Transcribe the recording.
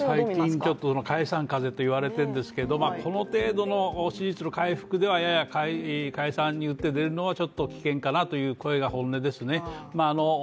最近、解散風と言われているんですけどこの程度の支持率の回復では、やや解散に打って出るのはちょっと危険かなという声が本音ですね。